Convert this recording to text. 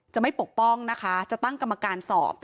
ไม่ปกป้องนะคะจะตั้งกรรมการสอบ